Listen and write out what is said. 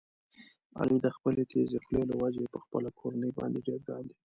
علي د خپلې تېزې خولې له وجې په خپله کورنۍ باندې ډېر ګران دی.